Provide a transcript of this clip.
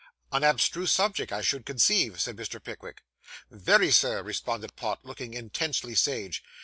'An abstruse subject, I should conceive,' said Mr. Pickwick. 'Very, Sir,' responded Pott, looking intensely sage.